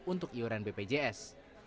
untuk iuran bpjs